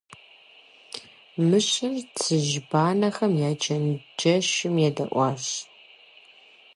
Мыщэр цыжьбанэхэм я чэнджэщым едэӀуащ.